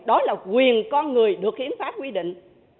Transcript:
đó là quyền con người được hiến pháp quy định